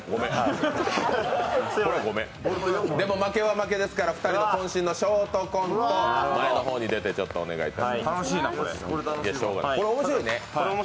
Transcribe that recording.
負けは負けですから２人のショートコントを前の方に出て、お願いします。